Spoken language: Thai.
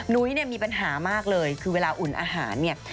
นุ้ยเนี่ยมีปัญหามากเลยคือเวลาอุ่นอาหารเนี่ย